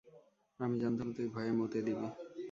আমি জানতাম তুই ভয়ে মুতে দিবি।